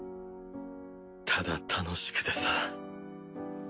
ただ楽しくてさ。